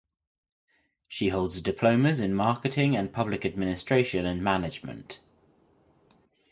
She holds diplomas in marketing and public administration and management.